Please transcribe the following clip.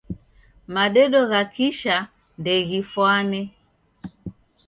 Madedo gha kisha ndeghifwane.